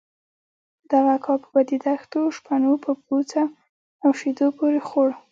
دغه کاک به د دښتو شپنو په پوڅه او شيدو پورې خوړ.